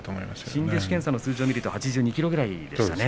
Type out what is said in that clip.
新弟子検査の数字を見ると８２ｋｇぐらいでしたね。